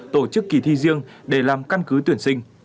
tổ chức kỳ thi riêng để làm căn cứ tuyển sinh